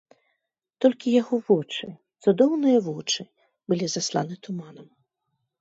Толькі яго вочы, цудоўныя вочы, былі засланы туманам.